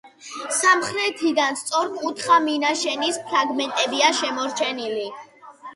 სამხრეთიდან სწორკუთხა მინაშენის ფრაგმენტებია შემორჩენილი.